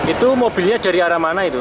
itu mobilnya dari arah mana itu